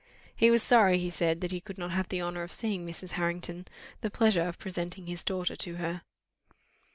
He was sorry, he said, that he could not have the honour of seeing Mrs. Harrington the pleasure of presenting his daughter to her.